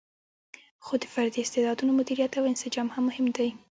خو د فردي استعدادونو مدیریت او انسجام هم مهم دی.